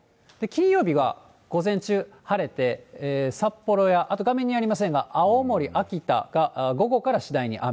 金曜日は午前中、晴れて札幌や、あと画面にはありませんが青森、秋田が午後から次第に雨。